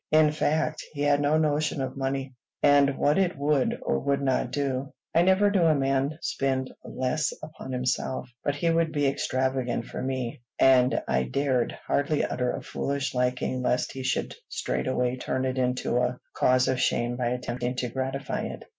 In fact, he had no notion of money, and what it would or would not do. I never knew a man spend less upon himself; but he would be extravagant for me, and I dared hardly utter a foolish liking lest he should straightway turn it into a cause of shame by attempting to gratify it.